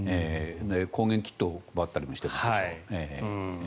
抗原キットを配ったりもしています。